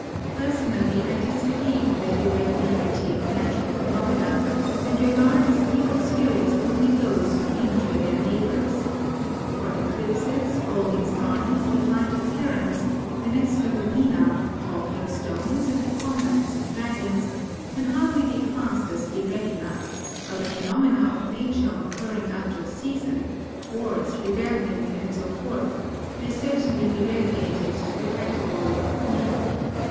Personally, I disbelieve in the irregularity of natural phenomena, and regard as evil spirits only those who injure their neighbours. For eclipses, falling stars, the flight of herons, the nest of a mina, talking stones, and the combats of dragons, can hardly be classed as irregular; while the phenomena of nature occurring out of season, wars, rebellions, and so forth, may certainly be relegated to the category of evil.